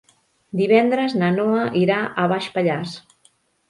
Divendres na Noa irà a Baix Pallars.